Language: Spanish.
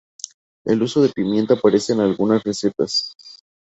El uso de pimienta aparece en algunas recetas.